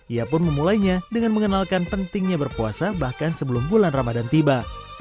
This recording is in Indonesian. ia pun memulainya dengan mengenalkan pentingnya berpuasa bahkan sebelum bulan ramadan tiba